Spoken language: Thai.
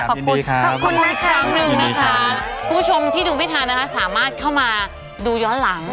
คำค้ะคุณพวกชมที่ดูวิทยานะคะสามารถเข้ามาดูย้อนหลัง